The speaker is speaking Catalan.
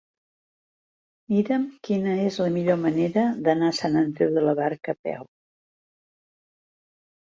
Mira'm quina és la millor manera d'anar a Sant Andreu de la Barca a peu.